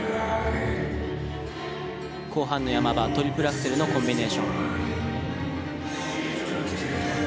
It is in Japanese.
後半の山場トリプルアクセルのコンビネーション。